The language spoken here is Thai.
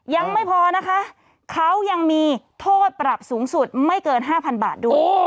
ยังไม่พอนะคะเขายังมีโทษปรับสูงสุดไม่เกิน๕๐๐๐บาทด้วย